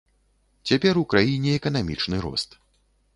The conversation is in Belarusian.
Цяпер у краіне эканамічны рост.